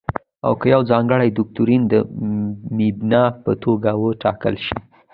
که یو ځانګړی دوکتورین د مبنا په توګه وټاکل شي.